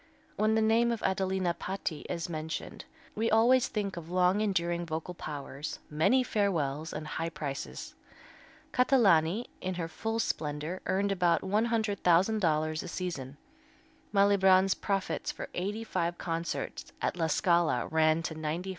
When the name of Adelina Patti is mentioned, we always think of long enduring vocal powers, many farewells and high prices. Catalani, in her full splendor, earned about $100,000 a season. Malibran's profits for eighty five concerts at La Scala ran to $95,000.